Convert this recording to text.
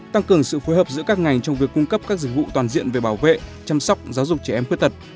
tăng cường sự phối hợp giữa các ngành trong việc cung cấp các dịch vụ toàn diện về bảo vệ chăm sóc giáo dục trẻ em khuyết tật